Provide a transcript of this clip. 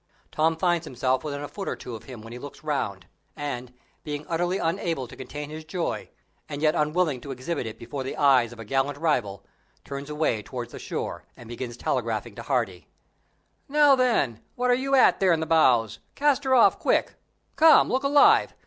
Tom finds himself within a foot or two of him when he looks round; and, being utterly unable to contain his joy, and yet unwilling to exhibit it before the eyes of a gallant rival, turns away towards the shore, and begins telegraphing to Hardy. "Now, then, what are you at there in the bows? Cast her off, quick. Come, look alive!